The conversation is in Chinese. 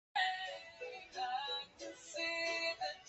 营造工程